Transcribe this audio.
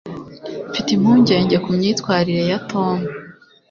mfite impungenge ku myitwarire ya tom